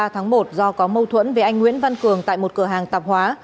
tháng một do có mâu thuẫn về anh nguyễn văn cường tại một cửa hàng tạp hóa